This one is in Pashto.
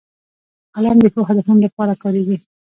قلم د ښو هدفونو لپاره کارېږي